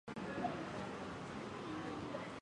市长是由议员选举得出的。